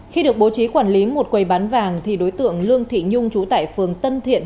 khi được bố trí quản lý một quầy bán vàng thì đối tượng lương thị nhung trú tại phường tân thiện